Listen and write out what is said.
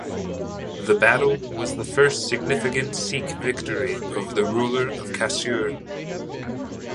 The battle was the first significant Sikh victory over the ruler of Kasur.